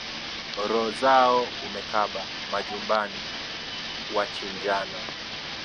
Roho zao umekaba, majumbani wachinjana,